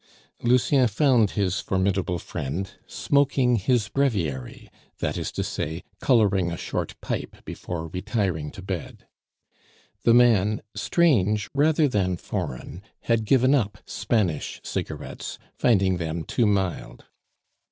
Lucien found his formidable friend smoking his breviary that is to say, coloring a short pipe before retiring to bed. The man, strange rather than foreign, had given up Spanish cigarettes, finding them too mild.